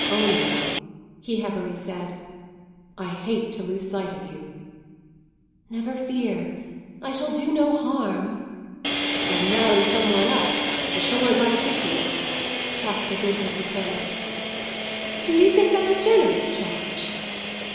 "Only," he heavily said, "I hate to lose sight of you!" "Never fear. I shall do no harm." "You'll marry some one else, as sure as I sit here," Caspar Goodwood declared. "Do you think that a generous charge?"